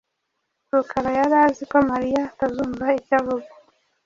Rukara yari azi ko Mariya atazumva icyo avuga.